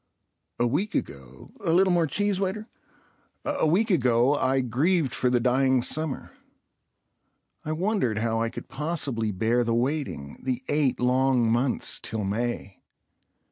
A week ago—("A little more cheese, waiter") —a week ago I grieved for the dying summer. I wondered how I could possibly bear the waiting —the eight long months till May.